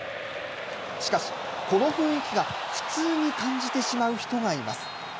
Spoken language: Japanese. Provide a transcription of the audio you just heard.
しかし、この雰囲気が苦痛に感じてしまう人がいます。